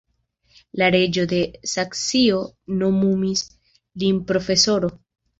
La reĝo de Saksio nomumis lin profesoro.